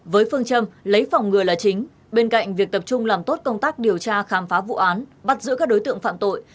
với phương châm lấy phòng ngừa là chính bên cạnh việc tập trung làm tốt công tác điều tra khám phá vụ án bắt giữ các đối tượng phạm tội